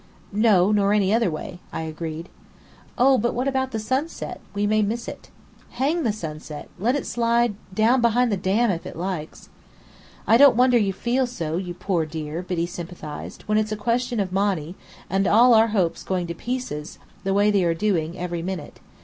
"No, nor any other way," I agreed. "Oh, but what about the sunset? We may miss it." "Hang the sunset! Let it slide down behind the Dam if it likes!" "I don't wonder you feel so, you poor dear," Biddy sympathized, "when it's a question of Monny, and all our hopes going to pieces the way they are doing, every minute.